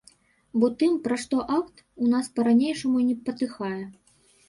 Бо тым, пра што акт, у нас па-ранейшаму і не патыхае.